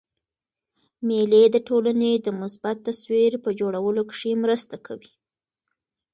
مېلې د ټولني د مثبت تصویر په جوړولو کښي مرسته کوي.